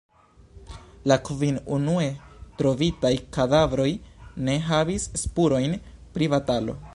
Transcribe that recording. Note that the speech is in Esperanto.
La kvin unue trovitaj kadavroj ne havis spurojn pri batalo.